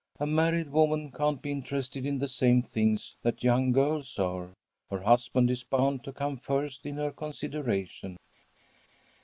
A married woman can't be interested in the same things that young girls are. Her husband is bound to come first in her consideration.